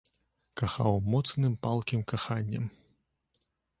Кахаў моцным, палкім каханнем.